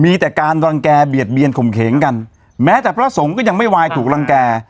มีแต่การรังแก่เบียดเบียนข่มเข่งกันแม้แต่พระสงฆ์ก็ยังไม่วายถูกรังแก่